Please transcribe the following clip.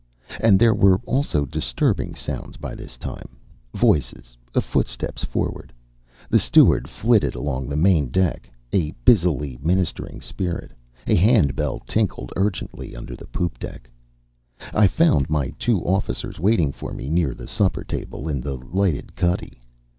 And there were also disturbing sounds by this time voices, footsteps forward; the steward flitted along the main deck, a busily ministering spirit; a hand bell tinkled urgently under the poop deck.... I found my two officers waiting for me near the supper table, in the lighted cuddy.